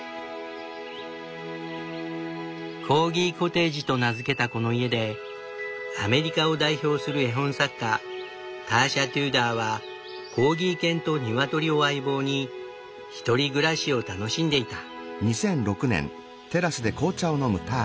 コーギコテージと名付けたこの家でアメリカを代表する絵本作家ターシャ・テューダーはコーギー犬とニワトリを相棒に１人暮らしを楽しんでいた。